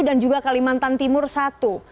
dan juga kalimantan timur ada satu